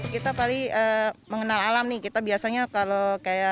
kita paling mengenal alam nih kita biasanya kalau kayak